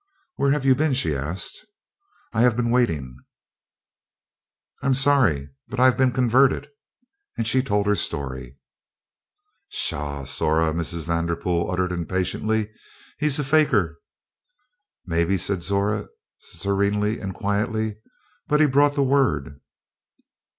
"Where have you been?" she asked. "I've been waiting." "I'm sorry but I've been converted." And she told her story. "Pshaw, Zora!" Mrs. Vanderpool uttered impatiently. "He's a fakir." "Maybe," said Zora serenely and quietly; "but he brought the Word."